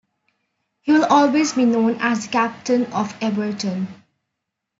He will always be known as the captain of Everton.